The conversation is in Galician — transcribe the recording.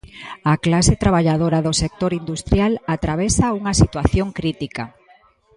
A clase traballadora do sector industrial atravesa unha situación crítica.